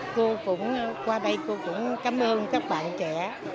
cô cũng qua đây cô cũng cảm ơn các bạn trẻ